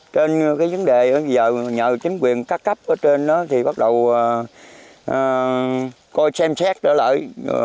trên cái vấn đề bây giờ nhờ chính quyền các cấp ở trên đó thì bắt đầu coi xem xét lại